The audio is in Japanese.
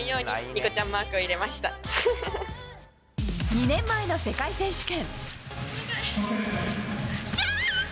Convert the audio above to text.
２年前の世界選手権。